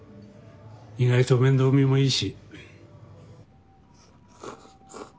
意外と面倒見もいいし。